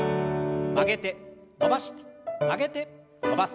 曲げて伸ばして曲げて伸ばす。